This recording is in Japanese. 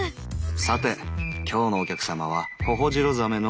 さて今日のお客様はホホジロザメの。